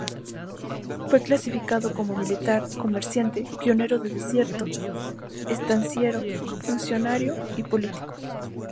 Fue clasificado como militar, comerciante, pionero del desierto, estanciero, funcionario y político.